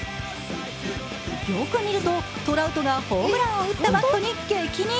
よく見ると、トラウトがホームランを打ったバットに激似。